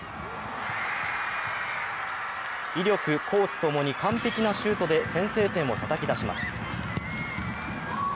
威力、コースともに完璧なシュートで先制点をたたき出します。